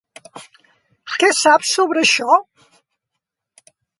Què saps sobre això?